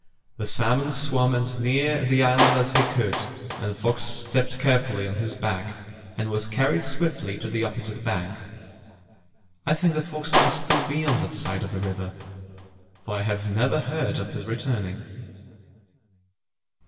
'' The salmon swam as near the island as he could, and the fox stepped carefully on his back and was carried swiftly to the opposite bank. I think the fox must still be on that side of the river, for I have never heard of his returning.